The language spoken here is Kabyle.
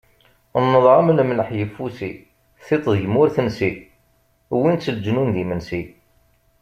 Nnḍeɣ-am lemlaḥ yeffusi, tiṭ deg-m ur tensi, wwin-tt leǧnun d imensi.